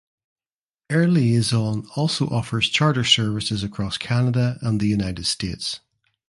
Air Liaison also offers charter services across Canada and the United States.